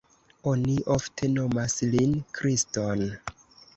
Oni ofte nomas lin Kriston.